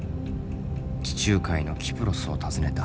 地中海のキプロスを訪ねた。